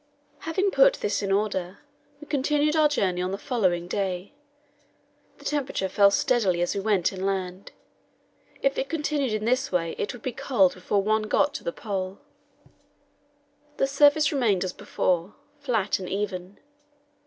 Having put this in order, we continued our journey on the following day. The temperature fell steadily as we went inland; if it continued in this way it would be cold before one got to the Pole. The surface remained as before flat and even.